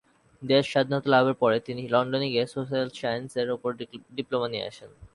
দেশ স্বাধীনতা লাভের পরে তিনি লন্ডনে গিয়ে 'সোশ্যাল সায়েন্স' এর উপর ডিপ্লোমা নিয়ে আসেন।